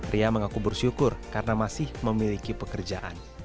ria mengaku bersyukur karena masih memiliki pekerjaan